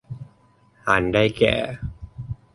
อันได้แก่